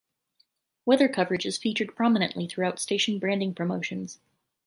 Weather coverage is featured prominently throughout station branding promotions.